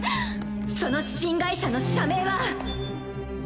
その新会社の社名は。